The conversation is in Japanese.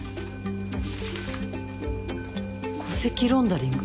戸籍ロンダリング。